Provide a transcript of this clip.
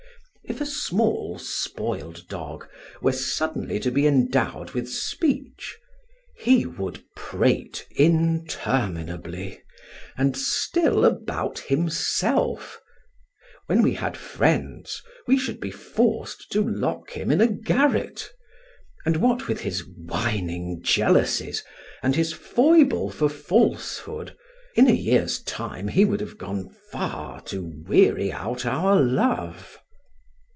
If a small spoiled dog were suddenly to be endowed with speech, he would prate interminably, and still about himself; when we had friends, we should be forced to lock him in a garret; and what with his whining jealousies and his foible for falsehood, in a year's time he would have gone far to weary out our love.